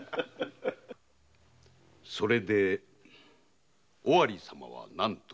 それで尾張様は何と？